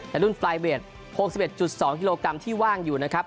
ในรุ่นไฟเบส๖๑๒กิโลกรัมที่ว่างอยู่นะครับ